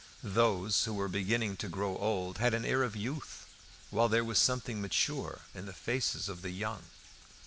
Those who were beginning to grow old had an air of youth, while there was something mature in the faces of the young.